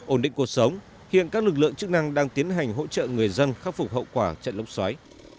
ổn định cuộc sống hiện các lực lượng chức năng đang tiến hành hỗ trợ người dân khắc phục hậu quả trận lốc xoáy